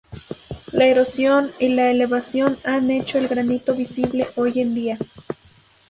La erosión y la elevación han hecho el granito visible hoy en día.